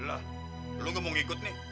lah lu gak mau ngikut nih